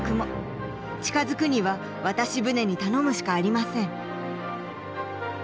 近づくには渡し船に頼むしかありません